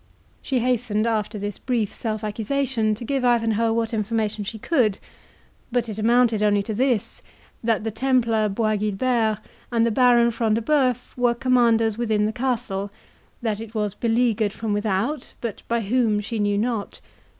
She hastened after this brief self accusation to give Ivanhoe what information she could; but it amounted only to this, that the Templar Bois Guilbert, and the Baron Front de Bœuf, were commanders within the castle; that it was beleaguered from without, but by whom she knew not.